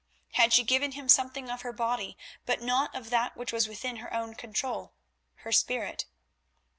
Had she given him something of her body but naught of that which was within her own control—her spirit?